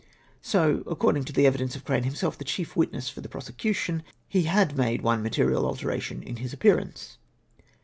So that, according to the evi dence of Crane himself, the chief witness for the pro secution, he had made one material alteration in his appearance.